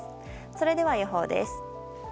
それでは予報です。